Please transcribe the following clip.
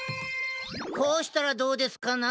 こうしたらどうですかな？